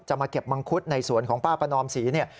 จะมาเก็บมังคุศในสวนของป้าประนอมศรี